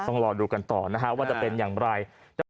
ต้องรอดูกันต่อนะฮะว่าจะเป็นอย่างไร